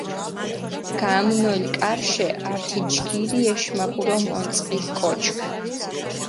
გამნოლ კარიშე ართი ჯგირი ეშმაკურო მონწყილ კოჩქ.